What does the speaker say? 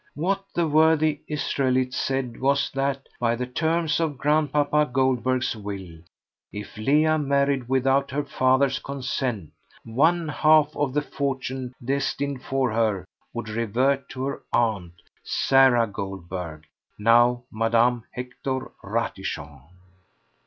What the worthy Israelite said was that, by the terms of Grandpapa Goldberg's will, if Leah married without her father's consent, one half of the fortune destined for her would revert to her aunt, Sarah Goldberg, now Madame Hector Ratichon.